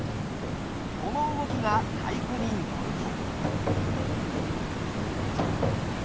この動きが太鼓に乗ると。